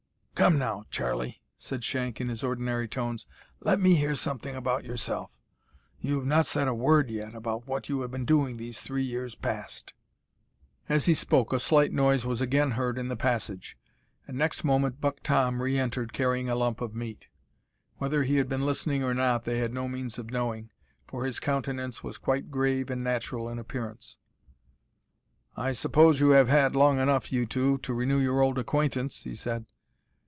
"Come, now, Charlie," said Shank, in his ordinary tones, "let me hear something about yourself. You have not said a word yet about what you have been doing these three years past." As he spoke a slight noise was again heard in the passage, and, next moment Buck Tom re entered carrying a lump of meat. Whether he had been listening or not they had no means of knowing, for his countenance was quite grave and natural in appearance. "I suppose you have had long enough, you two, to renew your old acquaintance," he said.